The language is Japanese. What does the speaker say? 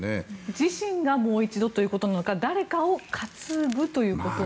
自身がもう一度ということなのか誰かを担ぐということなのか。